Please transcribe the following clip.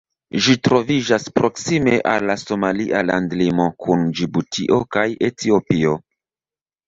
Ĝi troviĝas proksime al la somalia landlimo kun Ĝibutio kaj Etiopio.